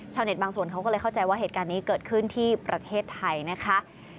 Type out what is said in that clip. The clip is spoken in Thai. บางส่วนเขาก็เลยเข้าใจว่าเหตุการณ์นี้เกิดขึ้นที่ประเทศไทยนะคะ